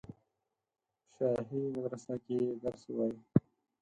په شاهي مدرسه کې یې درس ووایه.